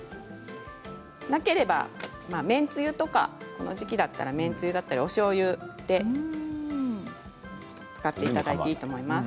なければ、麺つゆとかこの時期だったら麺つゆとかおしょうゆで使っていただいていいと思います。